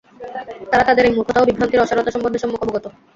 তারা তাদের এই মূর্খতা ও বিভ্রান্তির অসারতা সম্বন্ধে সম্যক অবগত।